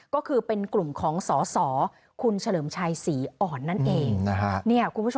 ก็คือเป็นกลุ่มของสสคุณเฉลิมชัยศรีอ่อนนั่นเองนะฮะ